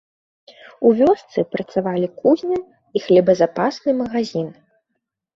У вёсцы працавалі кузня і хлебазапасны магазін.